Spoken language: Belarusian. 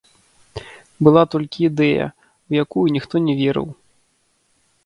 Была толькі ідэя, у якую ніхто не верыў.